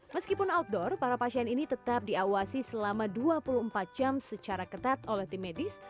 meskipun outdoor para pasien ini tetap diawasi selama dua puluh empat jam secara ketat oleh tim medis